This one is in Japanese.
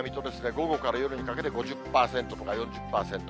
午後から夜にかけて５０％とか４０％。